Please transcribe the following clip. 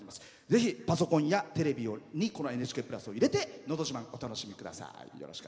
ぜひパソコンやテレビに「ＮＨＫプラス」を入れて「のど自慢」をお楽しみください。